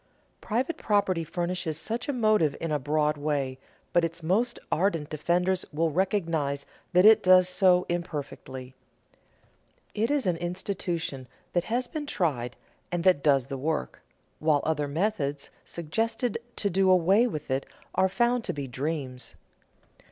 _ Private property furnishes such a motive in a broad way, but its most ardent defenders will recognize that it does so imperfectly. It is an institution that has been tried and that does the work, while other methods suggested to do away with it are found to be dreams.